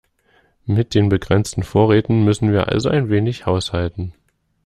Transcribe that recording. Mit den begrenzten Vorräten müssen wir also ein wenig haushalten.